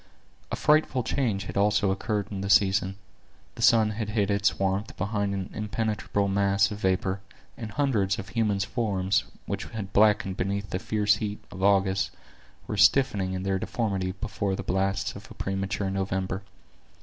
A frightful change had also occurred in the season. The sun had hid its warmth behind an impenetrable mass of vapor, and hundreds of human forms, which had blackened beneath the fierce heats of August, were stiffening in their deformity before the blasts of a premature November.